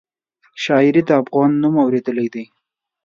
شاعري د افغان نوم اورېدلی دی.